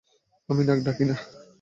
আমি নাক ডাকি না।